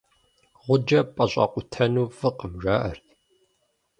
Гъуджэ пӀэщӀэкъутэну фӀыкъым, жаӀэрт.